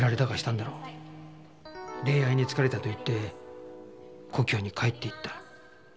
恋愛に疲れたと言って故郷に帰っていった。